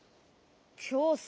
きょうさ。